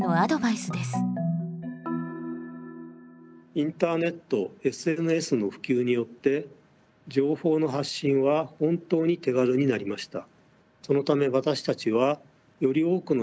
インターネットＳＮＳの普及によって情報の発信は本当に手軽になりました。